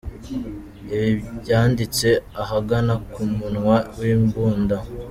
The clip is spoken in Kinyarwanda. ibi byanditse ahagana ku munwa w’imbunda